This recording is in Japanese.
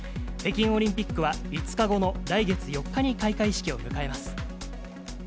北京オリンピックは５日後の来月４日に開会式を迎えます。